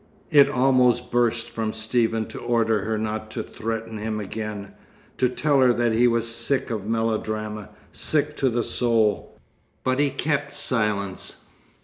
It almost burst from Stephen to order her not to threaten him again, to tell her that he was sick of melodrama, sick to the soul; but he kept silence.